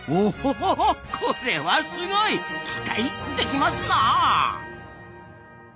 これはすごい！期待できますなあ。